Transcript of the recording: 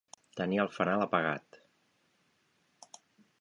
Tenir el fanal apagat.